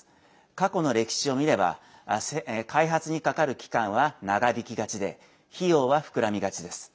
過去の歴史を見れば開発にかかる期間は長引きがちで費用は膨らみがちです。